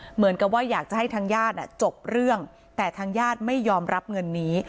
เหมือนกับว่าอยากจะให้ทางญาติจบเรื่องแต่ทางญาติไม่ยอมรับเงินนี้